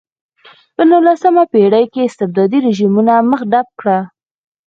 په نولسمه پېړۍ کې استبدادي رژیمونو مخه ډپ کړه.